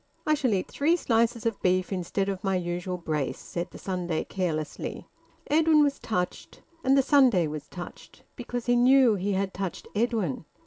"I shall eat three slices of beef instead of my usual brace," said the Sunday carelessly. Edwin was touched. And the Sunday was touched, because he knew he had touched Edwin.